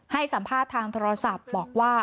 ให้สัมภาษณ์ทางโทรศัพท์บอกว่า